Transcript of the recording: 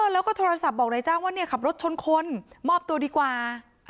แล้วก็โทรศัพท์บอกนายจ้างว่าขับรถชนคนมอบตัวดีกว่า